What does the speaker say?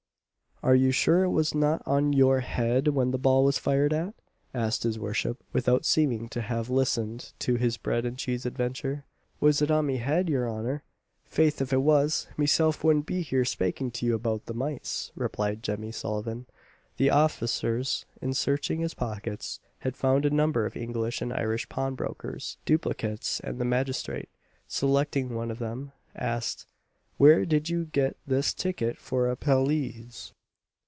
"Are you sure it was not on your head when the ball was fired at it?" asked his worship, without seeming to have listened to his bread and cheese adventure. "Was it on me head, your honour! Faith if it was, meself wouldn't be here spaking to you about the mice," replied Jemmy Sullivan. The officers, in searching his pockets, had found a number of English and Irish pawnbrokers' duplicates; and the magistrate, selecting one of them, asked, "Where did you get this ticket for a pelisse?"